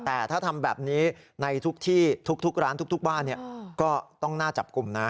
แต่ถ้าทำแบบนี้ในทุกที่ทุกร้านทุกบ้านก็ต้องน่าจับกลุ่มนะ